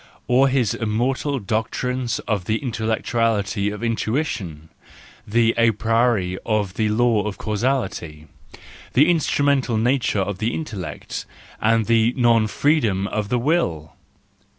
Or his immortal doctrines of the intellectuality of intuition, the apriority of the law of causality, the instrumental nature of the intellect, and the non freedom of the will?